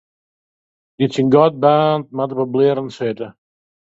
Dy't syn gat baarnt, moat op 'e blierren sitte.